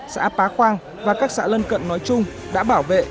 xã pá khoang và các xã lân cận nói chung đã bảo vệ